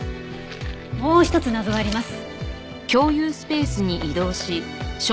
もう一つ謎があります。